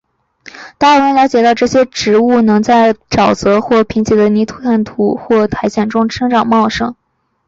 达尔文了解到这些植物能在沼泽或贫瘠的泥炭土或苔藓中生长茂盛。